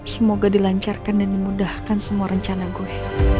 semoga dilancarkan dan memudahkan semua rencana gue